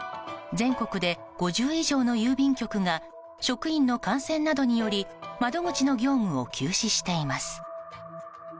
全国で５０以上の郵便局が職員の感染などにより窓口の業務を休止しています。